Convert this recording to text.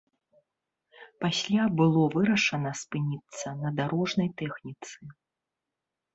Пасля было вырашана спыніцца на дарожнай тэхніцы.